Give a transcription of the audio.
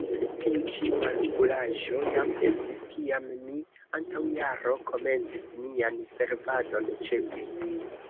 Tiu ĉi malpuraĵo jam estis, kiam mi antaŭ jaro komencis mian servadon ĉe vi.